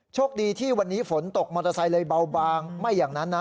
โชคดีที่วันนี้ฝนตกมอเตอร์ไซค์เลยเบาบางไม่อย่างนั้นนะ